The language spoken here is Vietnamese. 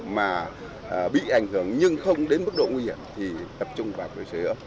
mà bị ảnh hưởng nhưng không đến mức độ nguy hiểm thì tập trung vào quyền sửa hiệu